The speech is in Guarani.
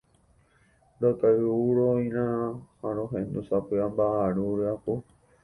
Rokay’uroína ha rohendu sapy’a mba’yru ryapu.